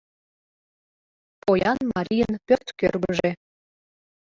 Поян марийын пӧрткӧргыжӧ.